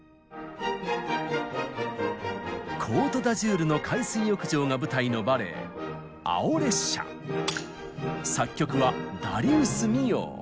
コートダジュールの海水浴場が舞台のバレエ作曲はダリウス・ミヨー。